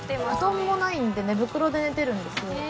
布団もないんで寝袋で寝てるんですよ。